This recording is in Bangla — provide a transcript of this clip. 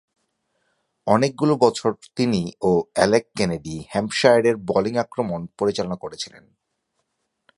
অনেকগুলো বছর তিনি ও অ্যালেক কেনেডি হ্যাম্পশায়ারের বোলিং আক্রমণ পরিচালনা করেছিলেন।